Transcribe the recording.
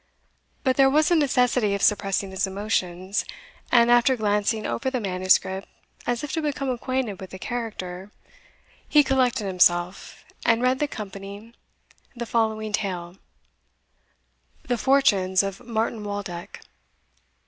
But there was a necessity of suppressing his emotions; and after glancing over the manuscript, as if to become acquainted with the character, he collected himself, and read the company the following tale: The Fortunes of Martin Waldeck.